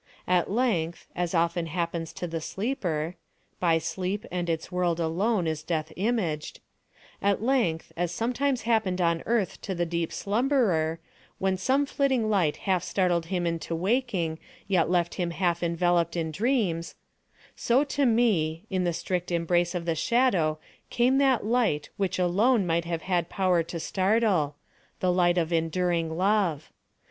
At length, as often happens to the sleeper (by sleep and its world alone is Death imaged)—at length, as sometimes happened on Earth to the deep slumberer, when some flitting light half startled him into awaking, yet left him half enveloped in dreams—so to me, in the strict embrace of the Shadow came that light which alone might have had power to startle—the light of enduring Love.